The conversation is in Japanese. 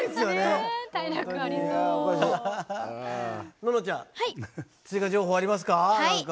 暖乃ちゃん追加情報ありますか？